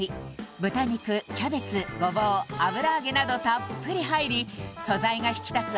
豚肉キャベツごぼう油揚げなどたっぷり入り素材が引き立つ